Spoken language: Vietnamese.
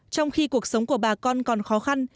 trong khi cuộc sống của bà con còn khó khăn